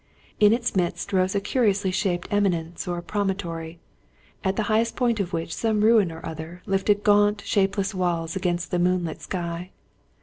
In its midst rose a curiously shaped eminence or promontory, at the highest point of which some ruin or other lifted gaunt, shapeless walls against the moonlit sky.